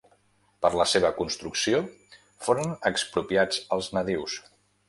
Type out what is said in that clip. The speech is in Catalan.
Per la seva construcció foren expropiats els nadius.